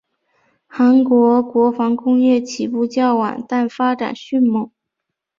韩国国防工业起步较晚但发展迅猛。